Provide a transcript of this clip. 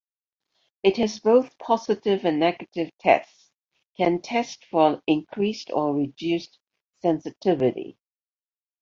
It has both positive and negative tests (can test for increased or reduced sensitivity).